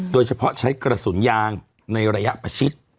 โดยเฉพาะใช้กระสุนยางในระยะประชิด